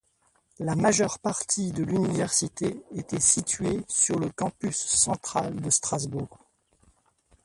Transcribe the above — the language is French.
La majeure partie de l'université était située sur le campus central de Strasbourg.